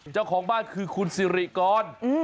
เจ้าของบ้านคือคุณสิริกร